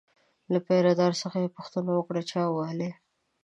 له پیره دار څخه یې پوښتنه وکړه چا ووهلی.